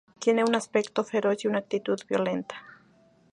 Tiene un aspecto feroz y una actitud violenta.